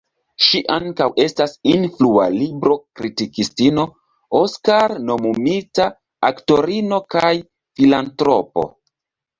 Ŝi ankaŭ estas influa libro-kritikistino, Oskar-nomumita aktorino, kaj filantropo.